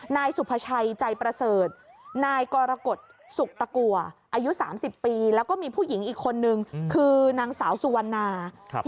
นายสุภาชัยใจประเสริฐนายกรกฎสุขตะกัวอายุ๓๐ปีแล้วก็มีผู้หญิงอีกคนนึงคือนางสาวสุวรรณา